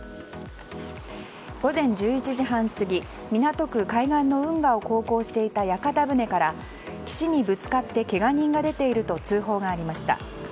午前１１時半過ぎ港区海岸の運河を航行していた屋形船から、岸にぶつかってけが人が出ていると通報がありました。